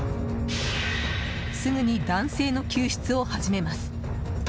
すぐに男性の救出を始めます。